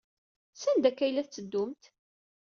Sanda akka ay la tetteddumt?